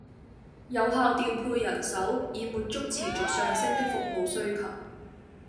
有效調配人手，以滿足持續上升的服務需求